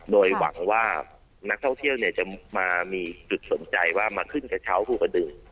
โดยหวังว่านักท่องเที่ยวจะมามีจุดสนใจว่ามาขึ้นกระเช้าภูกระดึง